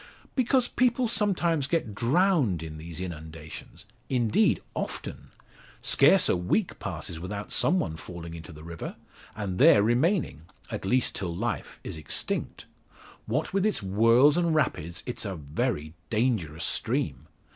"Because people sometimes get drowned in these inundations; indeed, often. Scarce a week passes without some one falling into the river, and there remaining, at least till life is extinct. What with its whirls and rapids, it's a very dangerous stream.